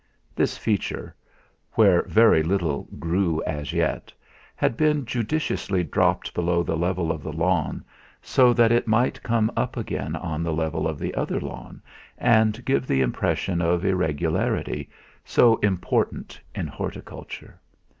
This feature, where very little grew as yet, had been judiciously dropped below the level of the lawn so that it might come up again on the level of the other lawn and give the impression of irregularity, so important in horticulture.